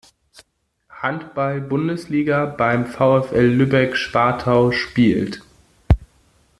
Handball-Bundesliga beim VfL Lübeck-Schwartau spielt.